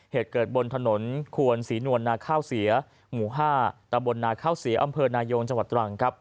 เหตุเกิดบนถนนควนศรีนวลนาข้าวเสียหมู่๕ตำบลนาข้าวเสียอำเภอนายงจังหวัดตรัง